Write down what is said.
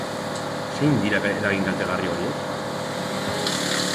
Zein dira eragin kaltegarri horiek?